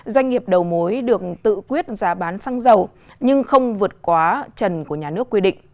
doanh nghiệp đầu mối được tự quyết giá bán xăng dầu nhưng không vượt quá trần của nhà nước quy định